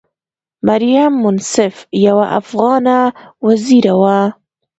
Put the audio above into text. مریم منصف یوه افغانه وزیره وه.